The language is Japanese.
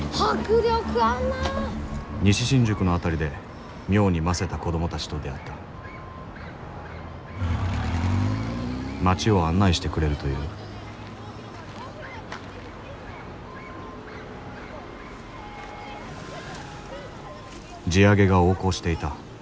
西新宿の辺りで妙にませた子供たちと出会った街を案内してくれるという地上げが横行していた。